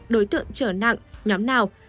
đối tượng trở nặng nhóm nào